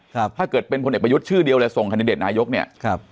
ถ้าเกิดเป็นพลเอกประยุทธ์ชื่อเดียวเลยส่งคันดิเดตนายกเนี่ยครับ